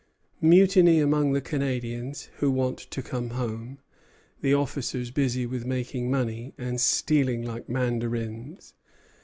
"Mutiny among the Canadians, who want to come home; the officers busy with making money, and stealing like mandarins.